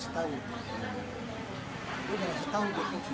saya tidak tahu